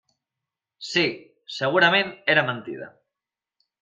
Sí; segurament era mentida.